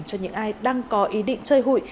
cho những ai đang có ý định chơi hụi